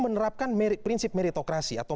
menerapkan prinsip meritokrasi atau